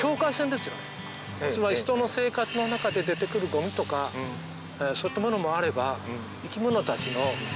つまり人の生活の中で出て来るゴミとかそういったものもあれば。